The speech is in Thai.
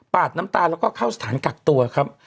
ดน้ำตาแล้วก็เข้าสถานกักตัวครับ